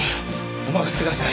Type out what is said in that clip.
お任せください。